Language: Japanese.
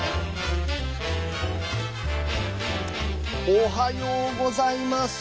おはようございます。